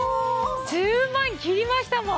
１０万切りましたもん。